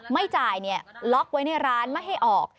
ไม่จ่ายล็อกไว้ในร้านไม่ให้ออก